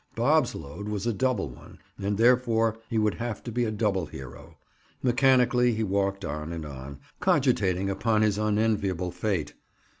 Bob's load was a double one and therefore he would have to be a double hero. Mechanically he walked on and on, cogitating upon his unenviable fate.